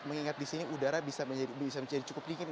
mengingat di sini udara bisa menjadi cukup dingin